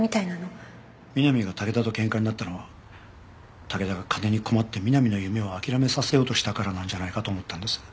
美波が武田と喧嘩になったのは武田が金に困って美波の夢を諦めさせようとしたからなんじゃないかと思ったんです。